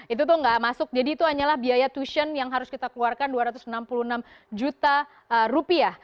itu tuh nggak masuk jadi itu hanyalah biaya tussion yang harus kita keluarkan dua ratus enam puluh enam juta rupiah